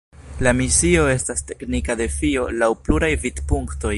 La misio estas teknika defio laŭ pluraj vidpunktoj.